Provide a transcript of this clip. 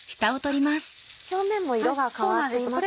表面も色が変わっていますよね。